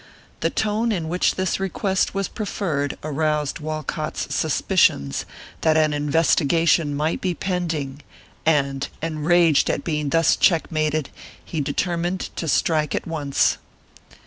The tone in which this request was preferred aroused Walcott's suspicions that an investigation might be pending, and, enraged at being thus checkmated, he determined to strike at once.